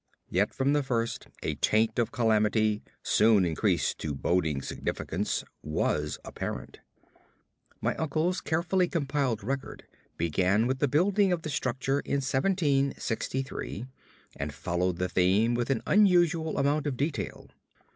Yet from the first a taint of calamity, soon increased to boding significance, was apparent. My uncle's carefully compiled record began with the building of the structure in 1763, and followed the theme with an unusual amount of detail.